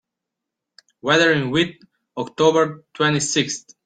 Weather in Witt october twenty-sixth